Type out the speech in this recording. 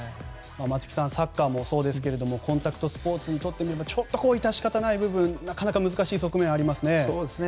松木さんサッカーもそうですがコンタクトスポーツにしてみると致し方ない部分なかなか難しい部分もありますね。